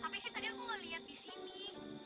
tapi sih tadi aku ngeliat disini